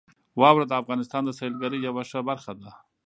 واوره د افغانستان د سیلګرۍ یوه ښه برخه ده.